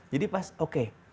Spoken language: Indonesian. jadi pas oke